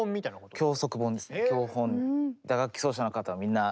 教本。